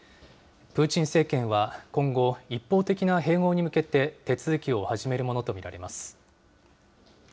プーチン政権は今後、一方的な併合に向けて手続きを始めるものと見られます。